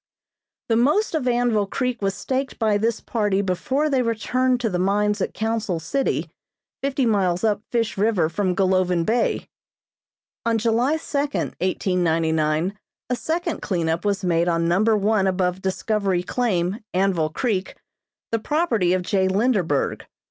The most of Anvil Creek was staked by this party before they returned to the mines at Council City, fifty miles up Fish River from Golovin Bay. "On July second, 1899, a second cleanup was made on number one above Discovery Claim, Anvil Creek, the property of J. Linderberg.